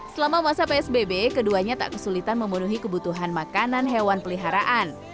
selama masa psbb keduanya tak kesulitan memenuhi kebutuhan makanan hewan peliharaan